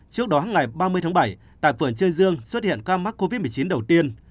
trước đó ngày ba mươi tháng bảy tại phường chê dương xuất hiện ca mắc covid một mươi chín đầu tiên